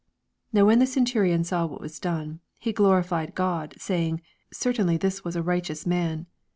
47 Now when the centurion saw what was done, he glorified God, say ing, Certainly this was a righteous man.